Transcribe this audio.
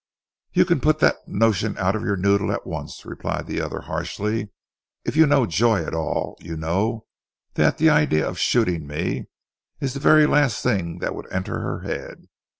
"You can put that notion out of your noddle, at once," replied the other harshly. "If you know Joy at all, you know that the idea of shooting me is the very last thing that would enter her head.